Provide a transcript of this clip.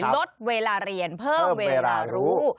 ลดเวลาเรียนเพิ่มเวลารู้